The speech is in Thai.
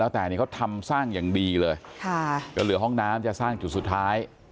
แล้วแต่นี่เขาทำสร้างอย่างดีเลยค่ะจะเหลือห้องน้ำจะสร้างจุดสุดท้าย